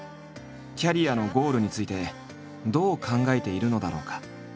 キャリアのゴールについてどう考えているのだろうか？